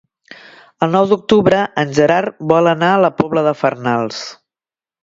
El nou d'octubre en Gerard vol anar a la Pobla de Farnals.